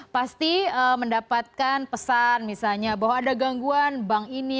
pasti mendapatkan pesan misalnya bahwa ada gangguan bank ini